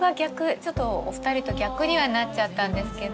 ちょっとお二人と逆にはなっちゃったんですけど。